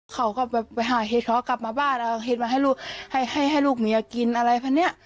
เขาก็แบบไปหาเห็ดเขากลับมาบ้านเอาเห็ดมาให้ลูกให้ให้ลูกเมียกินอะไรพันเนี้ย